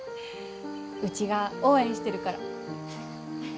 うちが応援してるから。